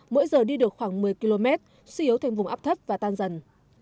mỗi giờ đi được khoảng một mươi km suy yếu thành vùng áp thấp và tan dần